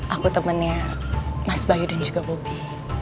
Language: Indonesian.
aku temennya mas bayu dan juga bobi